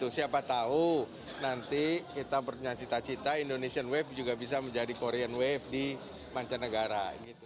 siapa tahu nanti kita punya cita cita indonesian wave juga bisa menjadi korean wave di mancanegara